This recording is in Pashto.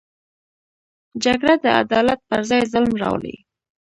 جګړه د عدالت پر ځای ظلم راولي